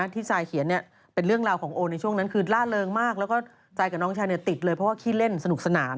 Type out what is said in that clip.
ทรายเขียนเป็นเรื่องราวของโอในช่วงนั้นคือล่าเริงมากแล้วก็ใจกับน้องชายติดเลยเพราะว่าขี้เล่นสนุกสนาน